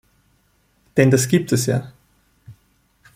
Denn das gibt es ja!